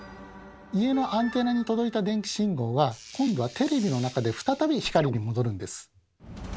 家のアンテナに届いた電気信号は今度はテレビの中で再び光に戻るんです。